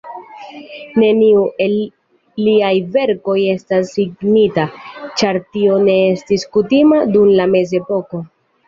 Neniu el liaj verkoj estas signita, ĉar tio ne estis kutima dum la mezepoko.